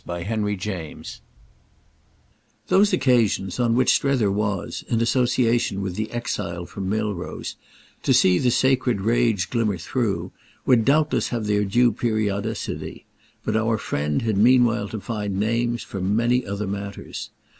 Book Second I Those occasions on which Strether was, in association with the exile from Milrose, to see the sacred rage glimmer through would doubtless have their due periodicity; but our friend had meanwhile to find names for many other matters.